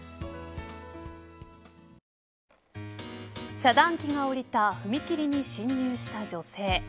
遮断機が下りた踏切に進入した女性。